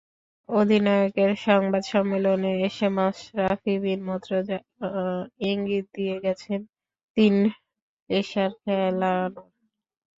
অধিনায়কের সংবাদ সম্মেলনে এসে মাশরাফি বিন মুর্তজা ইঙ্গিত দিয়ে গেছেন তিন পেসার খেলানোর।